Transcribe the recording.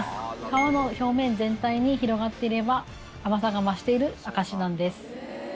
皮の表面全体に広がっていれば甘さが増している証しなんです。